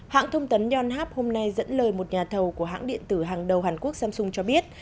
hãng thông tấn yonhap hôm nay dẫn lời một nhà thầu của hãng điện tử hàng đầu hàn quốc samsung cho biết